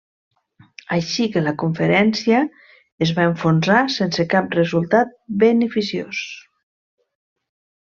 Així que la conferència es va enfonsar sense cap resultat beneficiós.